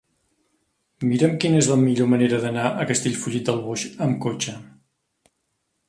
Mira'm quina és la millor manera d'anar a Castellfollit del Boix amb cotxe.